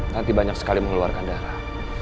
nanti banyak sekali mengeluarkan darah